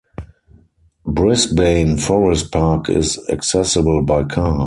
Brisbane Forest Park is accessible by car.